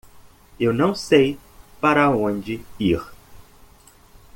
Eu não sei para onde ir.